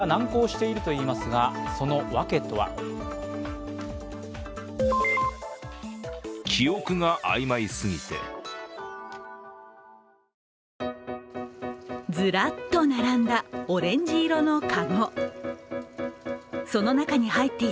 返還が難航しているといいますがそのわけとは。ずらっと並んだオレンジ色の籠。